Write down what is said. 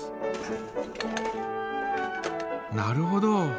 なるほど。